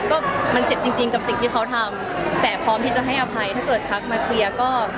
ก็มันเจ็บจริงกับสิ่งที่เขาทำแต่พร้อมที่จะให้อภัยถ้าเกิดทักมาเคลียร์ก็